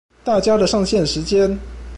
大家的上線時間